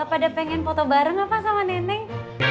ga pada pengen foto bareng apa sama neneng